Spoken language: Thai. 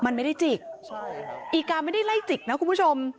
มันไม่ได้จิกอีกาไม่ได้ไล่จิกนะคุณผู้ชม